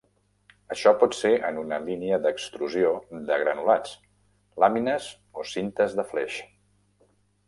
Això pot ser en una línia d'extrusió de granulats, làmines o cintes de fleix.